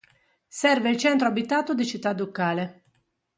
Serve il centro abitato di Cittaducale.